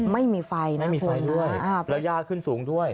ไม่มีไฟนะครับและยาขึ้นสูงด้วย